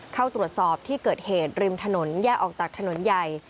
เข้าตรวจสอบที่เกิดเหตุริมถนนแยกออกจากถนนใหญ่